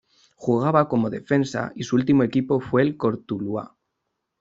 Jugaba como defensa y su último equipo fue el Cortuluá.